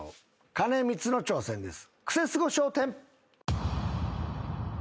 兼光の挑戦です。